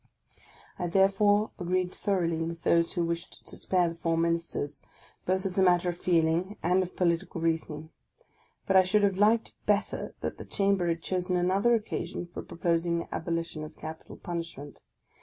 I therefore agreed thoroughly with those who wished to spare the four Ministers, both as a matter of feeling and of political reasoning. But I should have liked better that the Chamber had chosen another occasion for proposing the abolition of capital punishment.